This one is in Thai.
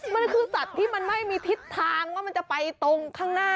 มันคือสัตว์ที่มันไม่มีทิศทางว่ามันจะไปตรงข้างหน้า